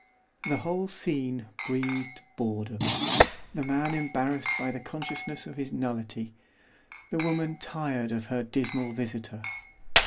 The whole scene breathed boredom, the man embarrassed by the consciousness of his nullity, the woman tired of her dismal visitor.